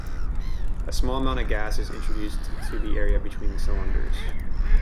A small amount of gas is introduced to the area between the cylinders.